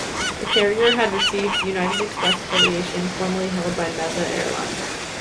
The carrier had received the United Express affiliation formerly held by Mesa Airlines.